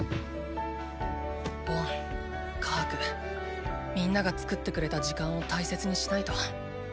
ボンカハクみんなが作ってくれた時間を大切にしないと。